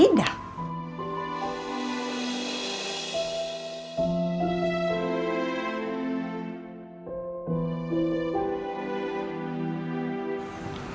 mama tau dari bi ida